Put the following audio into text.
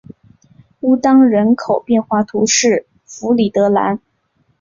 乌当人口变化图示弗里德兰